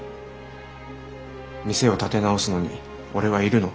店を立て直すのに俺は要るの？